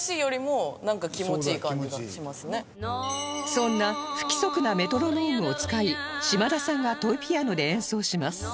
そんな不規則なメトロノームを使い島田さんがトイピアノで演奏します